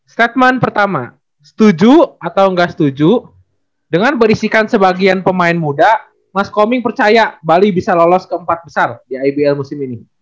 statement pertama setuju atau enggak setuju dengan berisikan sebagian pemain muda mas koming percaya bali bisa lolos keempat besar di ibl musim ini